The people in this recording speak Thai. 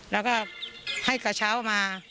แล้วก็ให้กระเช้ามา